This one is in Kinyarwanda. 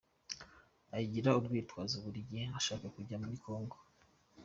Ayigira urwitwazo buri gihe ashaka kujya muri Congo.